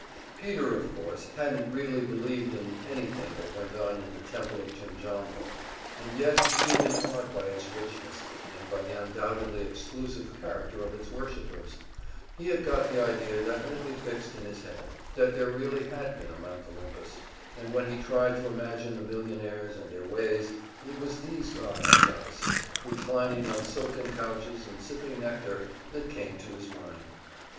Peter, of course, hadn't really believed in anything that went on in the Temple of Jimjambo; and yet he had been awed by its richness, and by the undoubtedly exclusive character of its worshippers; he had got the idea definitely fixed in his head that there really had been a Mount Olympus, and when he tried to imagine the millionaires and their ways, it was these gods and goddesses, reclining on silken couches and sipping nectar, that came to his mind!